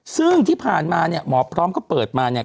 ซึ่งที่ผ่านมาเนี่ยหมอพร้อมก็เปิดมาเนี่ย